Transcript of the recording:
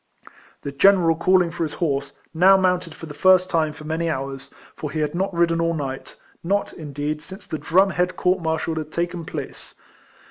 The general calling for his horse, now mounted for the first time for many hours ; for he had not ridden all night, not, indeed, since the drum head court martial had taken place.